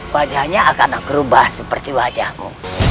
wajahnya akan berubah seperti wajahmu